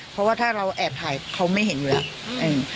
เพราะว่าถ้าเราแอบถ่ายเขาไม่เห็นอยู่แล้ว